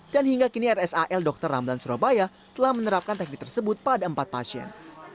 selain dokter ramelan surabaya telah menerapkan teknik tersebut pada empat pasien